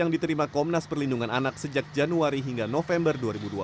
yang diterima komnas perlindungan anak sejak januari hingga november dua ribu dua puluh